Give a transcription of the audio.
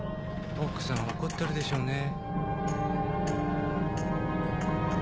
奥さん怒ってるでしょうね。